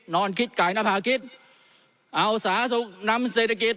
นอนคิดไก่นภาคินเอาสาธารณสุขนำเศรษฐกิจ